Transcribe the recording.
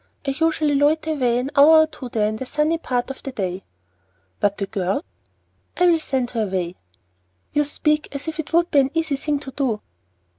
I usually loiter away an hour or two there, in the sunny part of the day." "But the girl?" "I'll send her away." "You speak as if it would be an easy thing to do."